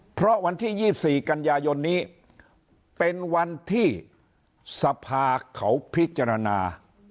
เพราะวันที่๒๔กันยายนนี้เป็นวันที่สภาเขาพิจารณา